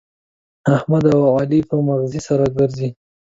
احمد او علي په مغزي سره ګرزي.